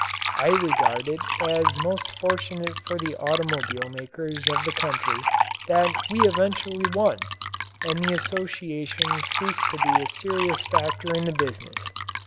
I regard it as most fortunate for the automobile makers of the country that we eventually won, and the association ceased to be a serious factor in the business.